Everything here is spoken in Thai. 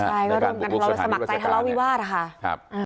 ใช่ก็ต้องการสมัครใจทะเลาวิวาสอาคารครับ